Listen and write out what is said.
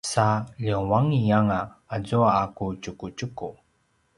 sa ljengua’ianga azua a ku tjukutjuku